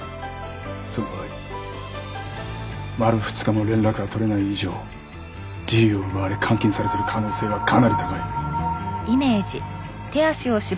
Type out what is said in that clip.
その場合丸２日も連絡が取れない以上自由を奪われ監禁されてる可能性はかなり高い。